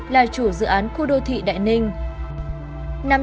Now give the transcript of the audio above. là chủ dự án khu đô thị đại ninh